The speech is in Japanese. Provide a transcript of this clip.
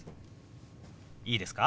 いいですか？